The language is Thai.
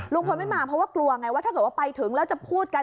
ลุงพลไม่มาเพราะว่ากลัวไงว่าถ้าเกิดว่าไปถึงแล้วจะพูดกัน